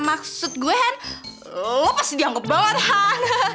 maksud gue han lo pasti dianggap banget han